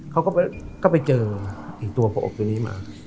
เขาก็ไปเจออีกตัวพระอบตัวนี้มา